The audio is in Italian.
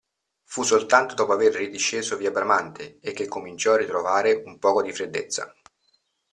Fu soltanto dopo aver ridisceso via Bramante e che cominciò a ritrovare un poco di freddezza.